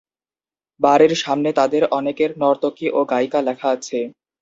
বাড়ির সামনে তাদের অনেকের 'নর্তকী ও গায়িকা' লেখা আছে।